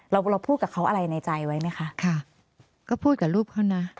เราเราพูดกับเขาอะไรในใจไว้ไหมคะค่ะก็พูดกับรูปเขานะ